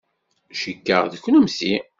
Cikkeɣ d kennemti.